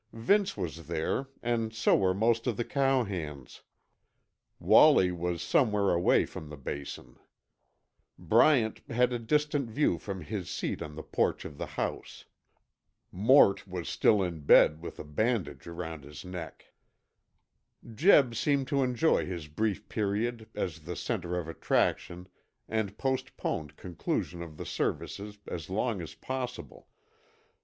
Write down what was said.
Vince was there, and so were most of the cowhands. Wallie was somewhere away from the Basin. Bryant had a distant view from his seat on the porch of the house. Mort was still in bed with a bandage around his neck. Jeb seemed to enjoy his brief period as the center of attraction and postponed conclusion of the services as long as possible.